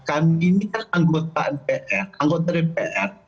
kami ini kan anggota dpr